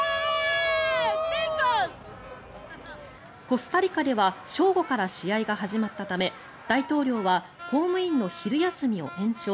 コスタリカでは正午から試合が始まったため大統領は公務員の昼休みを延長。